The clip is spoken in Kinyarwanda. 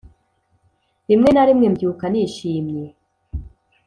rimwe na rimwe mbyuka nishimye